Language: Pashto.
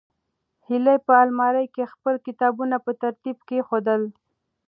هیلې په المارۍ کې خپل کتابونه په ترتیب کېښودل.